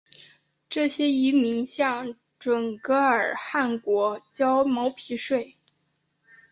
这些遗民向准噶尔汗国交毛皮税。